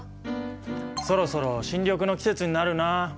そろそろ新緑の季節になるなあ。